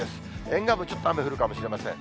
沿岸部ちょっと雨降るかもしれません。